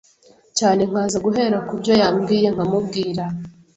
cyane nkaza guhera ku byo yambwiye nkamubwira